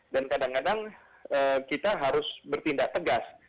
dan kadang kadang kita harus bertindak tegas